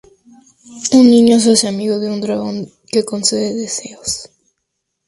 Un niño se hace amigo de un dragón que concede deseos.